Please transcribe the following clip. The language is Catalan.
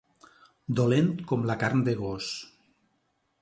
Dolent com la carn de gos.